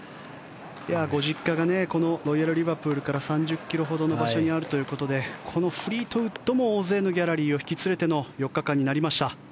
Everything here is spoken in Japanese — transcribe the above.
ご実家がロイヤル・リバプールから３０ｋｍほどの場所にあるということでこのフリートウッドも大勢のギャラリーを引き連れての４日間になりました。